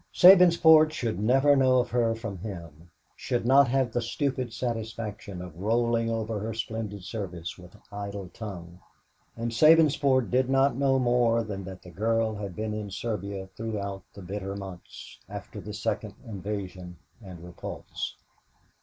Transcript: Sabinsport should never know of her from him, should not have the stupid satisfaction of rolling over her splendid service with idle tongue, and Sabinsport did not know more than that the girl had been in Serbia throughout the bitter months after the second invasion and repulse.